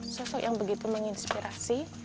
sosok yang begitu menginspirasi